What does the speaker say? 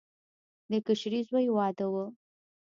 د کشري زوی واده و.